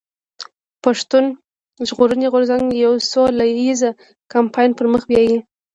پښتون ژغورني غورځنګ يو سوله ايز کمپاين پر مخ بيايي.